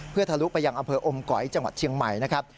เพื่อทะลุไปยังอำเภออมก๋อยจังหวัดเชียงใหม่นะครับ